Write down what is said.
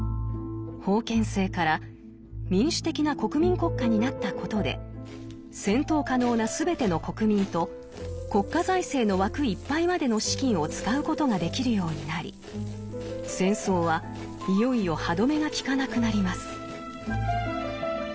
封建制から民主的な国民国家になったことで戦闘可能な全ての国民と国家財政の枠いっぱいまでの資金を使うことができるようになり戦争はいよいよ歯止めがきかなくなります。